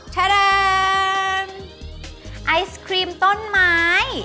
ต้นไอศครีมต้นไม้